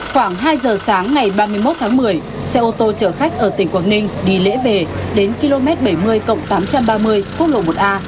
khoảng hai giờ sáng ngày ba mươi một tháng một mươi xe ô tô chở khách ở tỉnh quảng ninh đi lễ về đến km bảy mươi cộng tám trăm ba mươi quốc lộ một a